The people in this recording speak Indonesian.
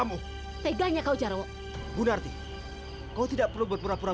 mungkin dibawa ke telaga